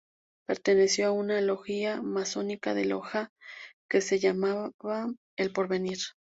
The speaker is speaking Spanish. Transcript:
Perteneció a una logia masónica de Loja que se llamaba El Porvenir.